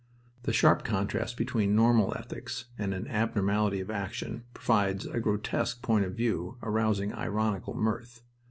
The sharp contrast between normal ethics and an abnormality of action provides a grotesque point of view arousing ironical mirth.